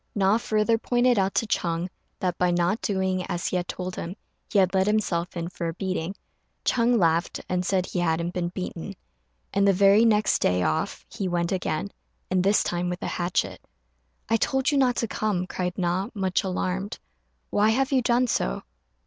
Na further pointed out to Ch'êng that by not doing as he had told him, he had let himself in for a beating. Ch'êng laughed, and said he hadn't been beaten; and the very next day off he went again, and this time with a hatchet. "I told you not to come," cried Na, much alarmed; "why have you done so?"